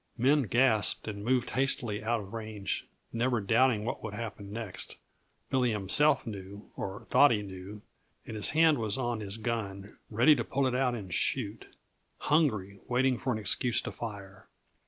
Men gasped and moved hastily out of range, never doubting what would happen next. Billy himself knew or thought he knew and his hand was on his gun, ready to pull it and shoot; hungry waiting for an excuse to fire.